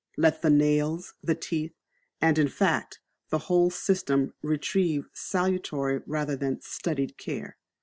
Let the nails, the teeth, and, in fact, the whole system receive salutary rather than studied care.